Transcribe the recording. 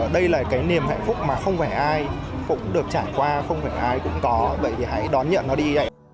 đây là cái niềm hạnh phúc mà không phải ai cũng được trải qua không phải ai cũng có vậy thì hãy đón nhận nó đi ấy